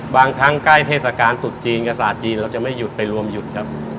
บางครั้งใกล้เทศกาลตุดจีนกับศาสตร์จีนเราจะไม่หยุดไปรวมหยุดครับ